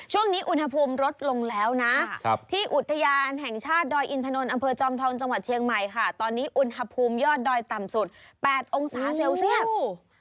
ช่วงนี้อุณหภูมิลดลงแล้วนะที่อุทยานแห่งชาติดอยอินทนนท์อำเภอจอมทองจังหวัดเชียงใหม่ค่ะตอนนี้อุณหภูมิยอดดอยต่ำสุดแปดองศาเซลเซียส